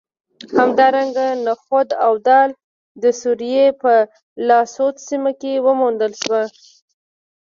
همدارنګه نخود او دال د سوریې په الاسود سیمه کې وموندل شول